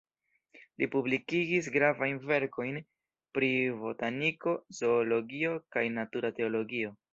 Li publikigis gravajn verkojn pri botaniko, zoologio, kaj natura teologio.